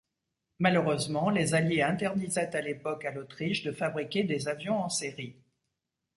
Malheureusement, les Alliés interdisaient à l'époque à l'Autriche de fabriquer des avions en série.